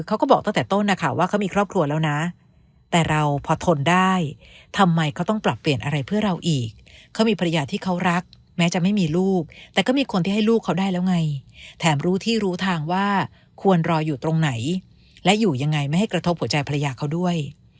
เขามีภรรยาที่เขารักแม้จะไม่มีลูกแต่ก็มีคนที่ให้ลูกเขาได้แล้วไงแถมรู้ที่รู้ทางว่าควรรอยอยู่ตรงไหนและอยู่ยังไงไม่ให้กระทบหัวใจภรรยาเขาด้วย